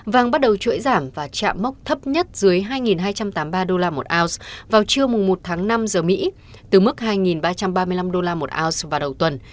vàng bắt đầu chuỗi giảm và chạm mốc thấp nhất dưới hai hai trăm tám mươi ba đô la một ounce vào trưa một tháng năm giờ mỹ từ mức hai ba trăm ba mươi năm đô la một ounce vào đầu tuần